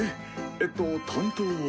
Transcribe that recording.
えっと担当は。